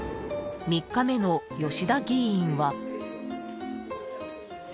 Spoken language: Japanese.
［３日目の吉田議員は］